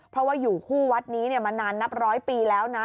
เพราะว่าอยู่คู่วัดนี้มานานนับร้อยปีแล้วนะ